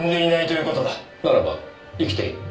ならば生きている？